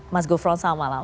mas gufron selamat malam